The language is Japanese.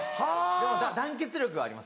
でも団結力はあります。